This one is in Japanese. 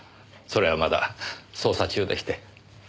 それはまだ捜査中でして。